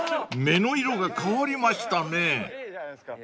［目の色が変わりましたね］